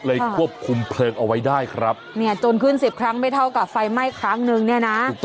ควบคุมเพลิงเอาไว้ได้ครับเนี่ยจนขึ้นสิบครั้งไม่เท่ากับไฟไหม้ครั้งนึงเนี่ยนะ